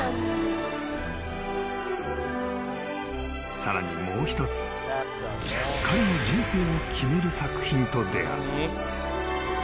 ［さらにもう一つ彼の人生を決める作品と出合う］